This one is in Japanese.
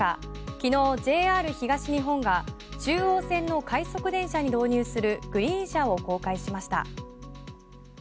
昨日、ＪＲ東日本が中央線の快速電車に導入するグリーン車を公開しました。